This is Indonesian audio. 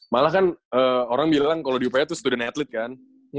malah kan orang bilang kalo di uph itu student athlete kan